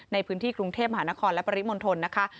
ในพื้นที่กรุงเทพมหานครและปริมณฑลนะคะ